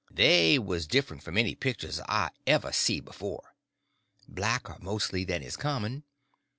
They was different from any pictures I ever see before—blacker, mostly, than is common.